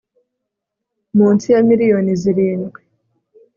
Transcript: munsi ya miliyoni zirindwi